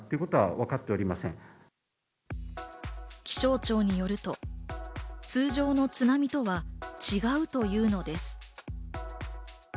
気象庁によると、通常の津波とは違うというのです。